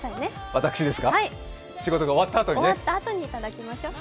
私ですか、仕事が終わったあとにね。